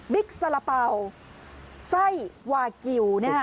บิ๊กซาละเป๋าไส้วากิว